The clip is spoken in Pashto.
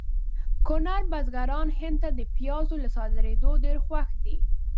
کونړ بزګران هند ته د پیازو له صادریدو ډېر خوښ دي